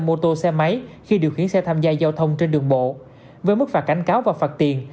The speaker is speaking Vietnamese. mô tô xe máy khi điều khiển xe tham gia giao thông trên đường bộ với mức phạt cảnh cáo và phạt tiền